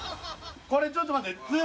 これちょっと待って。